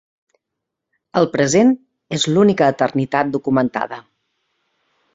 El present és l'única eternitat documentada.